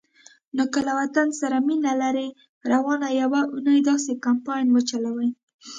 نو که له وطن سره مینه لرئ، روانه یوه اونۍ داسی کمپاین وچلوئ